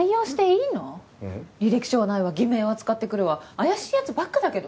履歴書はないわ偽名は使ってくるわ怪しいやつばっかだけど。